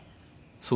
そう。